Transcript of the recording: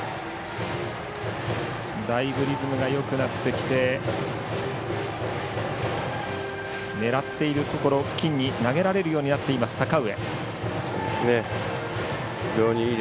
だいぶリズムがよくなってきて狙っているところ付近に投げられるようになってます阪上。